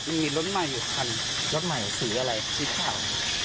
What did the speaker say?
อีกมีรถไม่อยู่คันรถไม่ซื้ออะไรซื้อข่าว